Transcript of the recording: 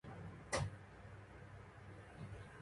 クーポン登録ページへアクセス